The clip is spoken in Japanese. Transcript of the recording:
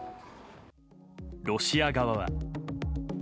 ロシア側は。